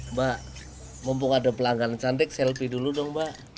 mbak mumpung ada pelanggan cantik selfie dulu dong mbak